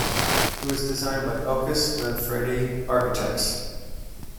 It was designed by Elkus Manfredi Architects.